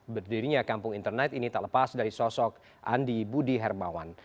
berdirinya kampung internet ini tak lepas dari sosok andi budi hermawan